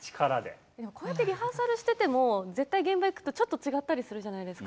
こうやってリハーサルをしていても現場に行くとちょっと違ったりするじゃないですか。